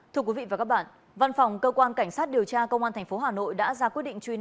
thưa quý vị và các bạn văn phòng cơ quan cảnh sát điều tra công an tp hà nội